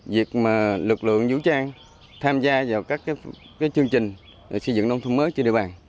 việc lực lượng vũ trang tham gia vào các chương trình xây dựng nông thôn mới trên địa bàn